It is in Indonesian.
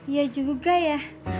ya juga ya